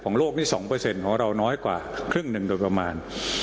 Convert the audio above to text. โลกนี่๒ของเราน้อยกว่าครึ่งหนึ่งโดยประมาณ